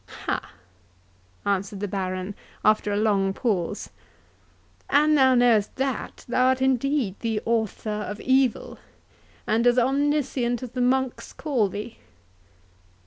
"Ha!" answered the Baron, after a long pause, "an thou knowest that, thou art indeed the author of evil, and as omniscient as the monks call thee!